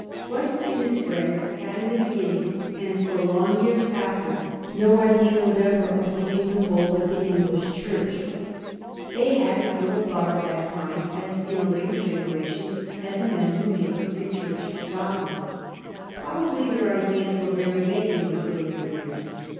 Wesley and his friends had in the beginning, and for long years after, no idea whatever of leaving the fold of the English Church. They had as little thought of that kind as in a later generation had the men who made the Free Church of Scotland. Probably their ideas were very vague in their earlier years.